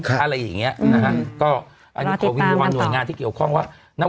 อะไรอย่างเงี้ยนะฮะก็อันนี้ขอวิงวอนหน่วยงานที่เกี่ยวข้องว่า